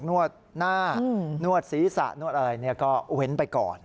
นวดหน้านวดศีรษะนวดอะไรก็เว้นไปก่อน